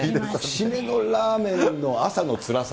締めのラーメンの朝のつらさ。